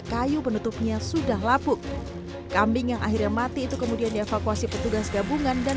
kayu penutupnya sudah lapuk kambing yang akhirnya mati itu kemudian dievakuasi petugas gabungan dan